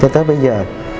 cho tới bây giờ